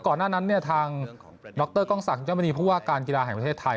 ก่อนหน้านั้นทางดรกศักดิ์เจ้าบริษัทผู้ว่าการกีฬาแห่งประเทศไทย